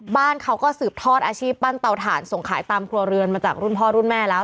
บ้านเขาก็สืบทอดอาชีพปั้นเตาถ่านส่งขายตามครัวเรือนมาจากรุ่นพ่อรุ่นแม่แล้ว